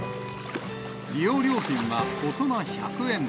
利用料金は大人１００円。